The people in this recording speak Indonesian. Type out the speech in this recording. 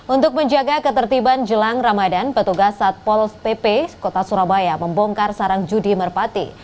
untuk menjaga ketertiban jelang ramadan petugas satpol pp kota surabaya membongkar sarang judi merpati